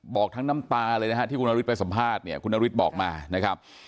บอกทั้งน้ำตาเลยนะครับที่คุณอริฐไปสัมภาษณ์คุณอริฐบอกมานะครับ